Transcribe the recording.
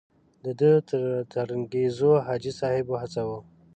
ده د ترنګزیو حاجي صاحب وهڅاوه.